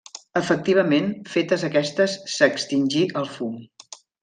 Efectivament, fetes aquestes s'extingí el fum.